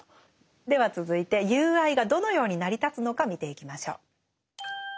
では続いて友愛がどのように成り立つのか見ていきましょう。